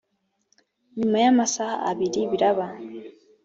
nyuma y’amasaha abiri biraba